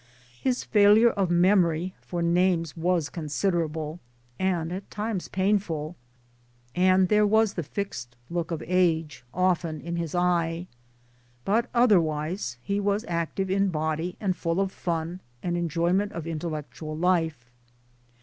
His failure of memory for names was considerable, and at times painful, and there was the fixed look of age often in his eye ; but otherwise he was active in body and full of fun and enjoyment of intellectual life.